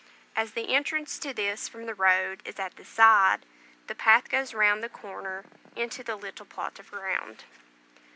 As the entrance to this from the road is at the side, the path goes round the corner into the little plot of ground.